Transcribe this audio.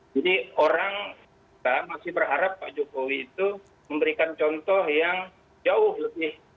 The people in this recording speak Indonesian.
jadi orang masih berharap pak jokowi itu memberikan contoh yang jauh lebih